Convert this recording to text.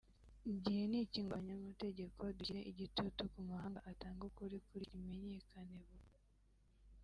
Igihe n’iki ngo abanyamategeko dushyire igitutu ku mahanga atange ukuri kuri iki kimenyekane vuba